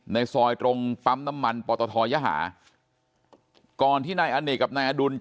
ในซอยตรงปั๊มน้ำมันปตทยหาก่อนที่นายอเนกกับนายอดุลจะ